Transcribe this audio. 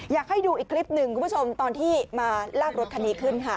อยากให้ดูอีกคลิปหนึ่งคุณผู้ชมตอนที่มาลากรถคันนี้ขึ้นค่ะ